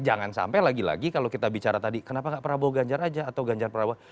jangan sampai lagi lagi kalau kita bicara tadi kenapa gak prabowo ganjar aja atau ganjar prabowo